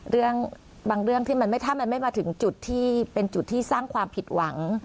บางเรื่องที่ถ้ามันไม่มาถึงจุดที่เป็นจุดที่สร้างความผิดหวัง